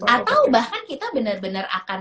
atau bahkan kita bener bener akan